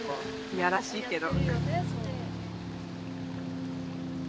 いやらしいけど。